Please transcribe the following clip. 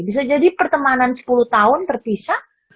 bisa jadi pertemanan sepuluh tahun terpisah